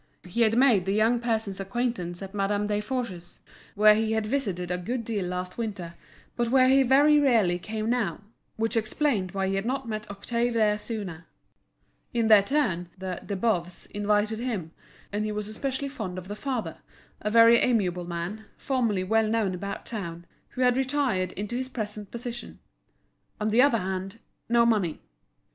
He had made the young person's acquaintance at Madame Desforges's, where he had visited a good deal last winter, but where he very rarely came now, which explained why he had not met Octave there sooner. In their turn, the De Boves invited him, and he was especially fond of the father, a very amiable man, formerly well known about town, who had retired into his present position. On the other hand, no money.